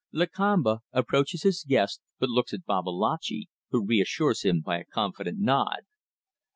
Lakamba approaches his guest, but looks at Babalatchi, who reassures him by a confident nod.